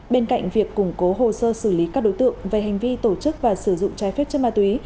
bên cạnh việc củng cố hồ sơ xử lý các đối tượng về hành vi tổ chức và sử dụng trái phép chất ma túy